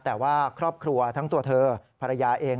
แต่ว่าครอบครัวทั้งตัวเธอภรรยาเอง